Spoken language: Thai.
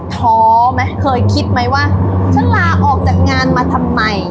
ท้อไหมเคยคิดไหมว่าฉันลาออกจากงานมาทำไม